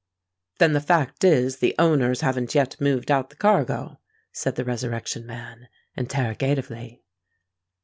"Then the fact is the owners haven't yet moved out the cargo?" said the Resurrection Man, interrogatively.